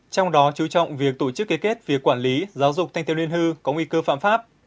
trong đó chú trọng việc tổ chức kế kết việc quản lý giáo dục thanh thiếu niên hư có nguy cơ phạm pháp